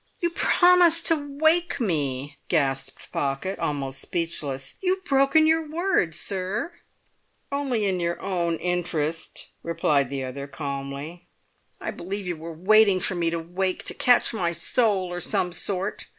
"You promised to wake me!" gasped Pocket, almost speechless. "You've broken your word, sir!" "Only in your own interest," replied the other calmly. "I believe you were waiting for me to wake—to catch my soul, or some rot!"